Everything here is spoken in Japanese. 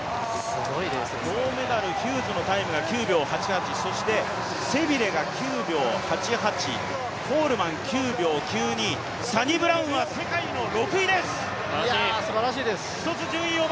銅メダル、ヒューズのタイムが９秒８８、そしてセビルが９秒８８、コールマン９秒９２、いや、すばらしいです。